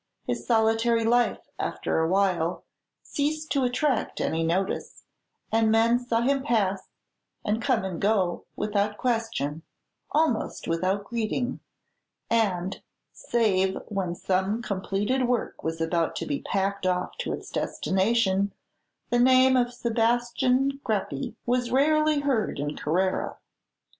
His solitary life, after a while, ceased to attract any notice; and men saw him pass, and come and go, without question, almost without greeting; and, save when some completed work was about to be packed off to its destination, the name of Sebastian Greppi was rarely heard in Carrara.